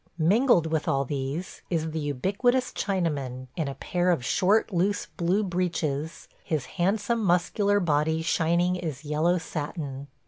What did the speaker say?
Mingled with all these is the ubiquitous Chinaman in a pair of short loose blue breeches, his handsome muscular body shining as yellow satin.